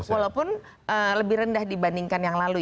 walaupun lebih rendah dibandingkan yang lalu